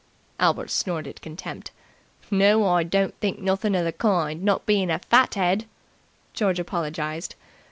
Albert snorted contempt. "No, I don't think nothin' of the kind, not bein' a fat head." George apologized.